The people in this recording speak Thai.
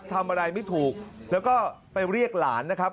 ทำอะไรไม่ถูกแล้วก็ไปเรียกหลานนะครับ